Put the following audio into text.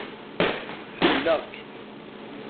Ḥemlaɣ-k.